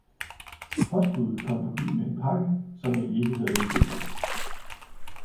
Postbuddet kom forbi med en pakke, som jeg ikke havde ventet.